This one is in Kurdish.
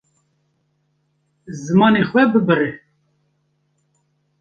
Zimanê xwe bibire.